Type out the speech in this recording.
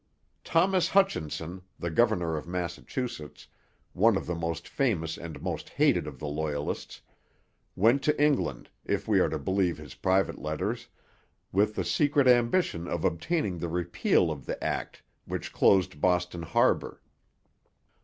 Thomas Hutchinson, the governor of Massachusetts, one of the most famous and most hated of the Loyalists, went to England, if we are to believe his private letters, with the secret ambition of obtaining the repeal of the act which closed Boston harbour.